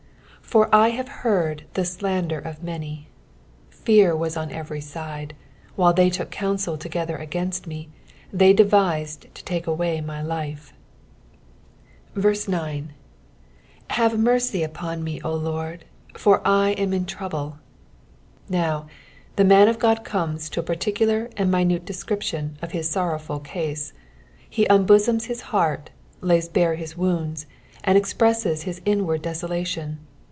13 For 1 have heard the slander of many : fear wtts on every side : while they took counsel together against me, they devised to take away my life. 9. '■'■Bona mercy tipon me, O Lord, for I am in trouUe." Now, the man of Uod cornea to a particular and minute description of his sorrowful case. He unbosoms his heart, lays bare his wounds, and expresses his inward desolation.